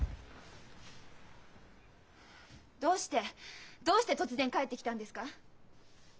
どうしてどうして突然帰ってきたんですか？